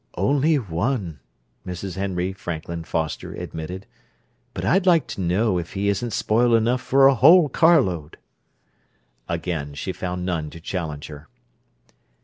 "Only one," Mrs. Henry Franklin Foster admitted. "But I'd like to know if he isn't spoiled enough for a whole carload!" Again she found none to challenge her.